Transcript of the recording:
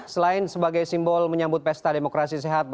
selain sebagai simbol menyambut pesta demokrasi sehat